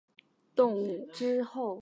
日本蚁蛛为跳蛛科蚁蛛属的动物。